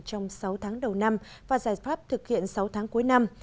trong sáu tháng đầu năm và giải pháp thực hiện sáu tháng cuối năm